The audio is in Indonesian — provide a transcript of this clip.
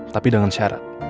tapi dengan syarat